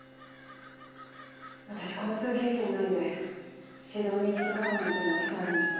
私交通経験ないんで指導に行き届かない点が多々ありまして。